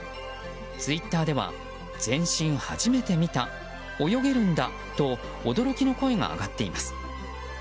ツイッターでは全身初めて見た泳げるんだ、と驚きの声が上がっています。